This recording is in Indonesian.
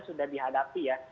sudah dihadapi ya